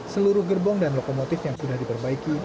seluruh gerbong dan lokomotif yang sudah diperbaiki